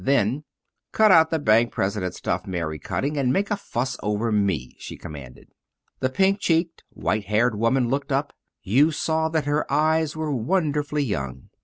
Then: "Cut out the bank president stuff, Mary Cutting, and make a fuss over me," she commanded. The pink cheeked, white haired woman looked up. You saw that her eyes were wonderfully young.